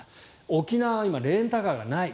沖縄は今、レンタカーがない。